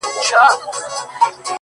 ته لږه ایسته سه چي ما وویني ـ